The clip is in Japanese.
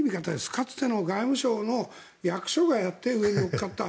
かつての外務省の役所がやって上に乗っかった。